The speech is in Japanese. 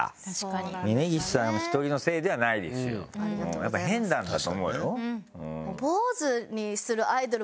やっぱり変なんだと思うようん。